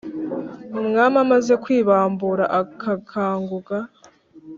umwami amaze kwibambura(akanganguka)